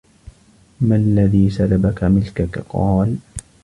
مَا الَّذِي سَلَبَك مِلْكَك ؟ قَالَ